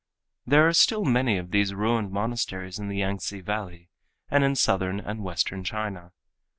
There are still many of these ruined monasteries in the Yangtze valley and in southern and western China.